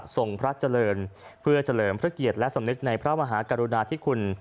ทรงพระเจริญเพื่อเจริญพระเกียรติและสมนติในพระมหากรุณาที่คุณ